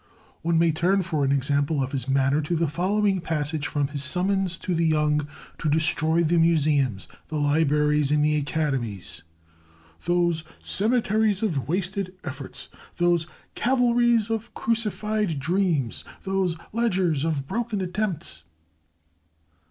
One may turn for an example of his manner to the following passage from his summons to the young to destroy the museums, the libraries, and the academies ("those cemeteries of wasted efforts, those calvaries of crucified dreams, those ledgers of broken attempts!")